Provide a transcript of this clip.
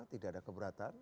tidak ada keberatan